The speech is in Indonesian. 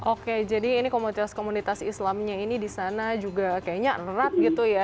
oke jadi ini komunitas komunitas islamnya ini di sana juga kayaknya erat gitu ya